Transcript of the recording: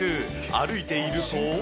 歩いていると。